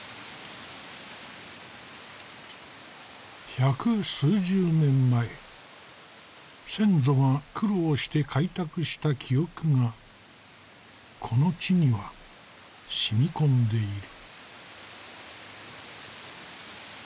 百数十年前先祖が苦労して開拓した記憶がこの地にはしみ込んでいる。